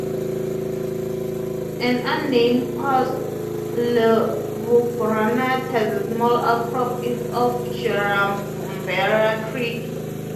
An unnamed coarse leucogranite has a small out crop east of Jerrabomberra creek.